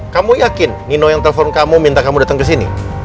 kamu yakin nino yang telepon kamu minta kamu datang ke sini